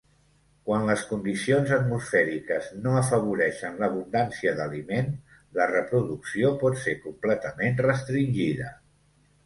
Quan les condicions atmosfèriques no afavoreixen l'abundància d'aliment, la reproducció pot ser completament restringida.